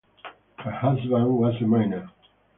Her husband was a miner.